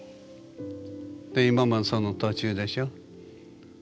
で今もその途中でしょ。